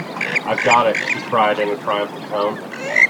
‘I’ve got it!’ she cried in a triumphant tone.